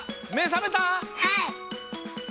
はい！